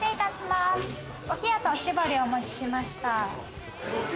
お冷とおしぼり、お持ちしました。